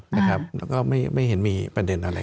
แล้วก็ไม่เห็นมีปัญหาอะไร